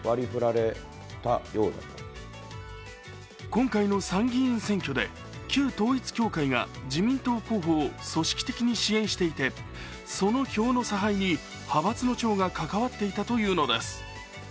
今回の参議院選挙で旧統一教会が自民党候補を組織的に支援していてその票の差配に派閥の長が関わっていたというのです。